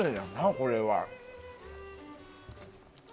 これは。